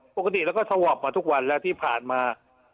ปกติแล้วก็สวอปมาทุกวันแล้วที่ผ่านมา